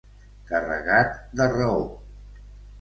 Carregat de raó.